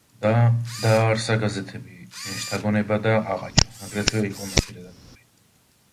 დააარსა გაზეთები „შთაგონება“ და „ყაყაჩო“, აგრეთვე იყო მათი რედაქტორი.